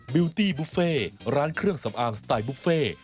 วิวตี้บุฟเฟ่ร้านเครื่องสำอางสไตล์บุฟเฟ่